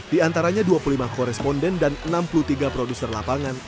di antaranya dua puluh lima koresponden dan enam puluh tiga produser lapangan